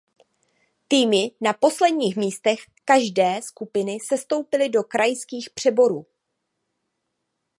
Týmy na posledních místech každé skupiny sestoupily do krajských přeborů.